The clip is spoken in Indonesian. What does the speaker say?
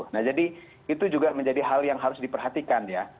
nah jadi itu juga menjadi hal yang harus diperhatikan ya